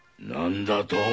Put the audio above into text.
何だと！